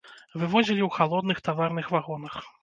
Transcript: Вывозілі ў халодных таварных вагонах.